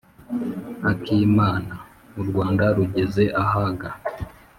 akimana u rwanda rugeze ahaga